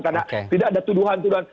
karena tidak ada tuduhan tuduhan